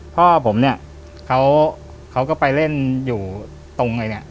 พ่อผมเนี่ยเขาก็ไปเล่นอยู่ตรงไอ้เนี่ย